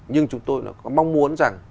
nhưng chúng tôi mong muốn rằng